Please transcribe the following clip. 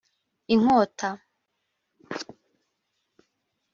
inkota